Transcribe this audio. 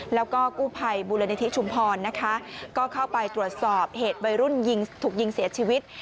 แล้วก็กู้ไผ่บุรณิธิชุมพรก็เข้าไปตรวจสอบเหตุใบรุ่นถูกยิงเสียชีวิต